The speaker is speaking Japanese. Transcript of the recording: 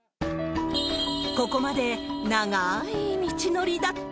ここまで長ーい道のりだった。